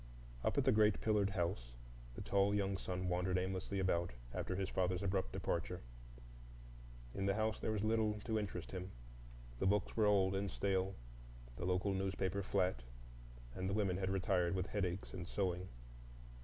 Up at the great pillared house the tall young son wandered aimlessly about after his father's abrupt departure. In the house there was little to interest him; the books were old and stale, the local newspaper flat, and the women had retired with headaches and sewing.